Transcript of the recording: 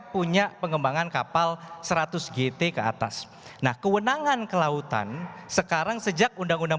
punya pengembangan kapal seratus gt ke atas nah kewenangan kelautan sekarang sejak undang undang